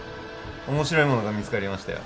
面白いものが見つかりましたよ